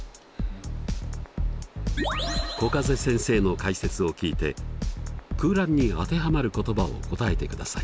小風先生の解説を聞いて空欄に当てはまる言葉を答えてください。